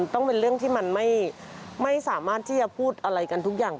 ต้องเป็นเรื่องที่มันไม่สามารถที่จะพูดอะไรกันทุกอย่าง